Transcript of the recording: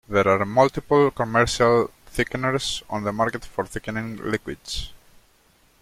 There are multiple commercial thickeners on the market for thickening liquids.